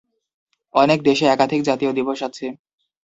অনেক দেশে একাধিক জাতীয় দিবস আছে।